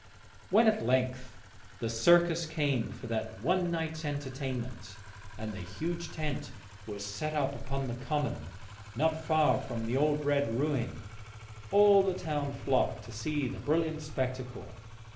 When at length the circus came for that one night's entertainment and the huge tent was set up upon the common not far from the old red ruin, all the town flocked to see the brilliant spectacle.